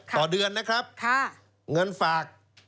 ต่อเดือนนะครับเงินฝาก